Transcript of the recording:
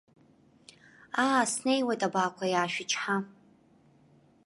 Аа, снеиуеит, абаақәа, иаашәычҳа.